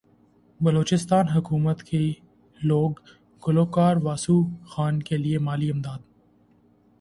بلوچستان حکومت کی لوک گلوکار واسو خان کیلئے مالی امداد